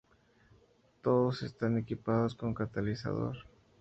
Todos están equipados con catalizador.